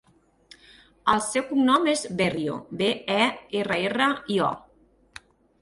El seu cognom és Berrio: be, e, erra, erra, i, o.